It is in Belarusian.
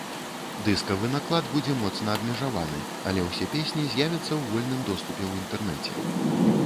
Дыскавы наклад будзе моцна абмежаваны, але ўсе песні з'явяцца ў вольным доступе ў інтэрнэце.